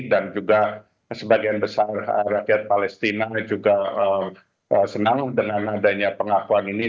dan juga sebagian besar rakyat palestina juga senang dengan adanya pengakuan ini